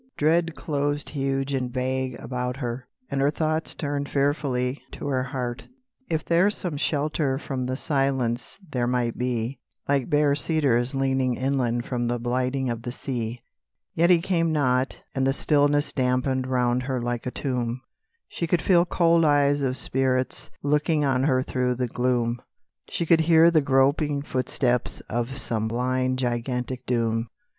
Dread closed huge and vague about her, And her thoughts turned fearfully To her heart, if there some shelter From the silence there might be, Like bare cedars leaning inland From the blighting of the sea. Yet he came not, and the stillness Dampened round her like a tomb; She could feel cold eyes of spirits Looking on her through the gloom, She could hear the groping footsteps Of some blind, gigantic doom.